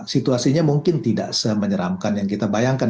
situasinya mungkin tidak semenyeramkan yang kita bayangkan